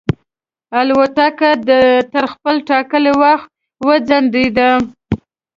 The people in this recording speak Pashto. الوتکه تر خپل ټاکلي وخت وځنډېده.